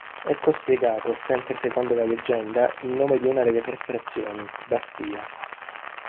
Ecco spiegato, sempre secondo la leggenda, il nome di una delle tre frazioni, Bastia.